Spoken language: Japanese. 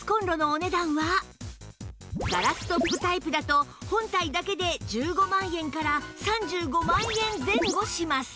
ガラストップタイプだと本体だけで１５万円から３５万円前後します